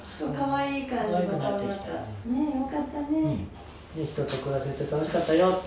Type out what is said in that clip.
いい人と暮らせて楽しかったよって。